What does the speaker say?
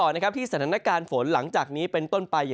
ในประเทศแสดดนัดกานฝนตอนนี้เป็นต้นปลาย